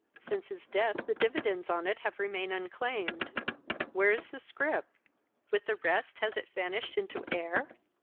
Since his death, the dividends on it have remained unclaimed. Where is the scrip? With the rest, has it vanished into air?